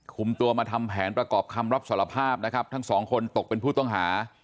คุมตัวมาทำแผนประกอบคำรับสารภาพนะครับทั้งสองคนตกเป็นผู้ต้องหา